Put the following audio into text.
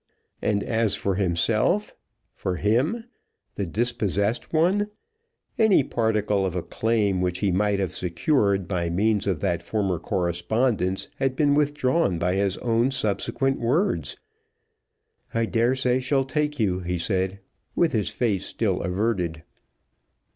And as for himself, for him, the dispossessed one, any particle of a claim which he might have secured by means of that former correspondence had been withdrawn by his own subsequent words. "I dare say she'll take you," he said, with his face still averted.